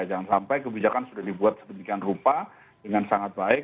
jangan sampai kebijakan sudah dibuat sedemikian rupa dengan sangat baik